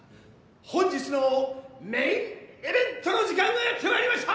本日のメインイベントの時間がやってまいりました！